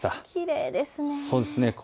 きれいですね。